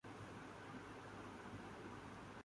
چین آئے نہ کے بعد